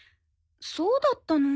そうだったの。